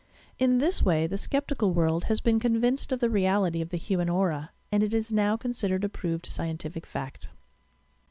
In this way the sceptical world has been convinced of the reality of the human aura, and it is now considered a proved scientific fact.